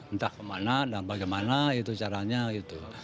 entah kemana dan bagaimana itu caranya gitu